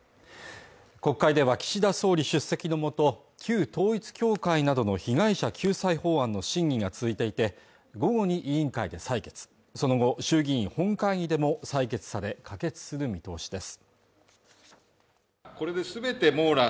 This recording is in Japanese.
国会では岸田総理出席のもと旧統一教会などの被害者救済法案の審議が続いていて午後に委員会で採決その後衆議院本会議でも採決され可決する見通しです